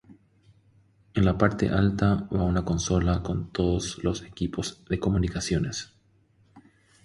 En la parte alta va una consola con todos los equipos de comunicaciones.